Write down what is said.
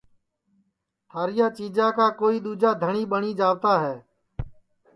تھاریا چیجا کا کوئی دؔوجا دھٹؔی ٻٹؔی جاوت ہے